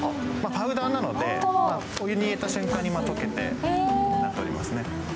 パウダーなのでお湯に入れた瞬間に溶けますね。